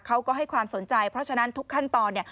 เขาก็ให้ความสนใจเพราะฉะนั้นทุกขั้นตอน